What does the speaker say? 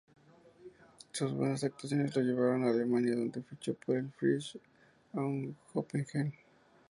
Sus buenas actuaciones, lo llevaron a Alemania donde fichó por el Frisch Auf Göppingen.